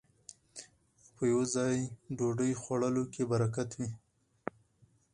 په يوه ځای ډوډۍ خوړلو کې برکت وي